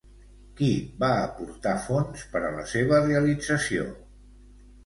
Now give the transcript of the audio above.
Qui va aportar fons per a la seva realització?